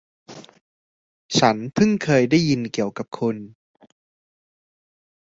ฉันพึ่งเคยได้ยินเกี่ยวกับคุณ